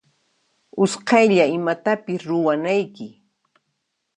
Usqaylla imatapis ruwanayki.